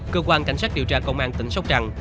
cơ quan cảnh sát điều tra công an tỉnh sóc trăng